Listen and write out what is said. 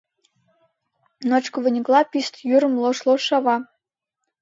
Ночко выньыкла писте йӱрым лож-лож шава.